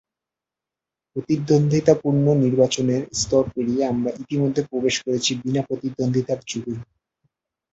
প্রতিদ্বন্দ্বিতাপূর্ণ নির্বাচনের স্তর পেরিয়ে আমরা ইতিমধ্যে প্রবেশ করেছি বিনা প্রতিদ্বন্দ্বিতার যুগে।